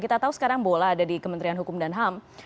kita tahu sekarang bola ada di kementerian hukum dan ham